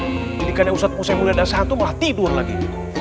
jadi kan ustadz musaimul dan asanto malah tidur lagi